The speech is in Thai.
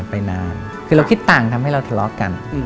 ไปนานคือเราคิดต่างทำให้เราทะเลาะกัน